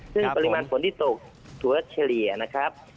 ซึ่งปริมาณฝนที่ตกถั่วเฉลี่ยนะครับ